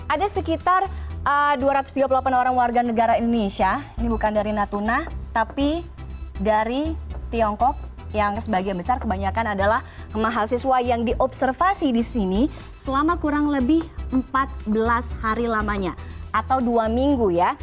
ada sekitar dua ratus tiga puluh delapan orang warga negara indonesia ini bukan dari natuna tapi dari tiongkok yang sebagian besar kebanyakan adalah mahasiswa yang diobservasi di sini selama kurang lebih empat belas hari lamanya atau dua minggu ya